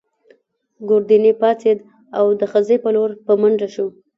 ګوردیني پاڅېد او د خزې په لور په منډه شو.